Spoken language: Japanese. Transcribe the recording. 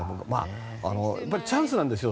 チャンスなんですよ。